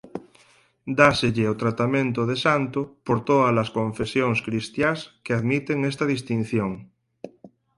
Dáselle o tratamento de santo por tódalas confesións cristiás que admiten esta distinción.